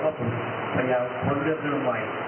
ซึ่งอาทิตย์วันนี้ก็เป็นคนที่เรียกว่า